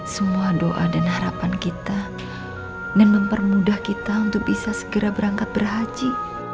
semua doa dan harapan kita dan mempermudah kita untuk bisa segera berangkat berhaji